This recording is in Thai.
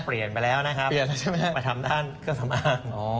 เปลี่ยนไปแล้วนะครับมาทำด้านเครื่องสำอาง